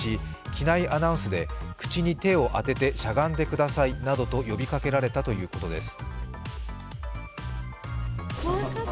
機内アナウンスで口に手を当ててしゃがんでくださいなどと呼びかけられたということです。